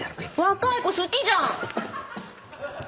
若い子好きじゃん！